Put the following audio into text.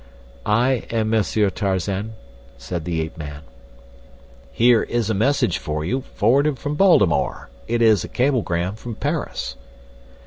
"I am Monsieur Tarzan," said the ape man. "Here is a message for you, forwarded from Baltimore; it is a cablegram from Paris."